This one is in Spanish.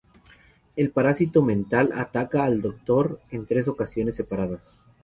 El parásito mental ataca al Doctor en tres ocasiones separadas.